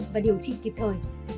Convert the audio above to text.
và điều trị kịp thời